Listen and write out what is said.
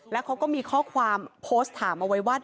แล้วเขาก็มีข้อความโพสต์ถามเอาไว้ว่า